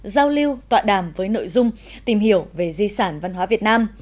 giao lưu tọa đàm với nội dung tìm hiểu về di sản văn hóa việt nam